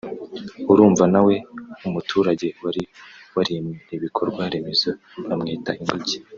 Urumva nawe umuturage wari warimwe ibikorwa remezo bamwita inguge